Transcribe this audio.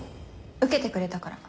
受けてくれたから